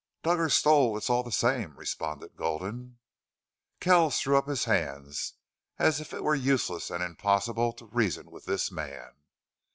"Dug or stole it's all the same," responded Gulden. Kell's threw up his hands as if it were useless and impossible to reason with this man.